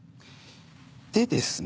でですね